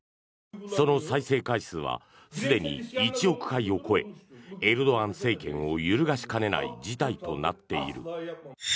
その再生回数はすでに１億回を超えエルドアン政権を揺るがしかねない事態となっている。